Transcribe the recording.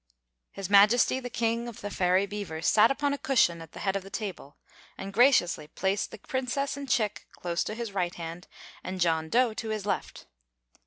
His Majesty the King of the Fairy Beavers sat upon a cushion at the head of the table and graciously placed the Princess and Chick close to his right hand and John Dough at his left.